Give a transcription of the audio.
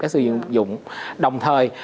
các sư dụng đồng thời